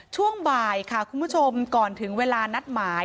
ช่วงบ่ายค่ะคุณผู้ชมก่อนถึงเวลานัดหมาย